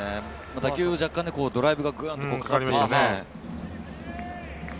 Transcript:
打球も若干ドライブがぐっとかかりましたね。